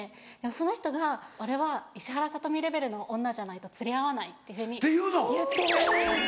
その人が「俺は石原さとみレベルの女じゃないと釣り合わない」っていうふうに言ってる。